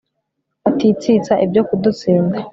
batitsitsa ibyo kudutsinda